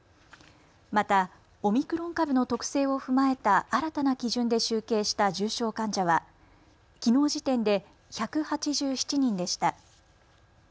また、オミクロン株の特性を踏まえた新たな基準で集計した重症患者はきのう時点で１８７人でした。